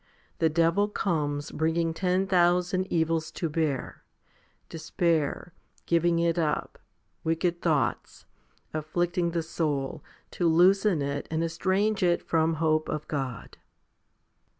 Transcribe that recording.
The devil comes, bringing ten thousand evils to bear despair, giving it up, wicked thoughts afflicting the soul, to loosen it and estrange it from hope of God.